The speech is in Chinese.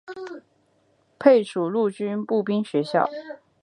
配属陆军步兵学校。